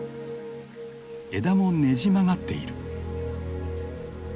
枝もねじ曲がっている。